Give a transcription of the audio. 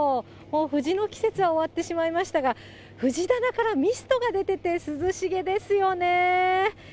藤の季節は終わってしまいましたが、藤棚からミストが出てて、涼しげですよね。